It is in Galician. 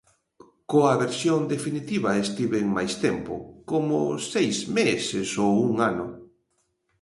Coa versión definitiva estiven máis tempo, como seis meses ou un ano.